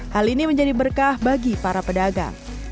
hal ini menjadi berkah bagi para pedagang